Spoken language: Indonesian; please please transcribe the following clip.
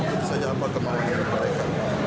itu saja apa kemampuan mereka